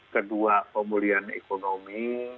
kedua pemulihan ekonomi